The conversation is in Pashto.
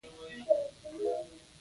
د نوي خیال څرګندولو ته هم انشأ وايي.